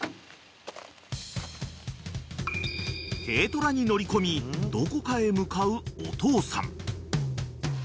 ［軽トラに乗り込みどこかへ向かうお父さん］